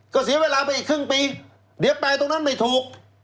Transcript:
ก็เสียเวลาไปอีกครึ่งปีเดี๋ยวแปลตรงนั้นไม่ถูก